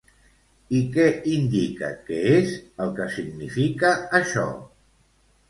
I què indica que és el que significa això?